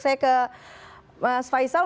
saya ke mas faisal